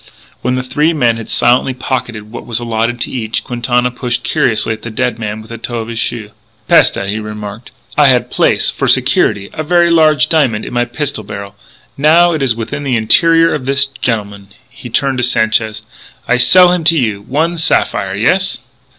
When the three men had silently pocketed what was allotted to each, Quintana pushed curiously at the dead man with the toe of his shoe. "Peste!" he remarked. "I had place, for security, a ver' large diamon' in my pistol barrel. Now it is within the interior of this gentleman...." He turned to Sanchez: "I sell him to you. One sapphire. Yes?"